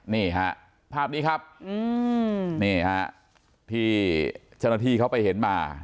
นี่ฮะภาพนี้ครับพี่จนที่เขาไปเห็นมา